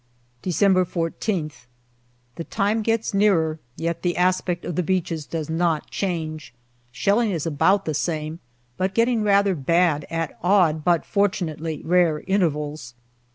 December I4>th. The time gets nearer, yet the aspect of the beaches does not change. Shelling is about the same, but getting rather bad, at odd, but fortunately rare, intervals.